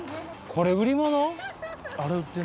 これ、売り物？